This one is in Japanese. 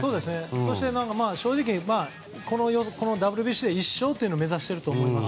そして、正直このＷＢＣで１勝というのを目指していると思います。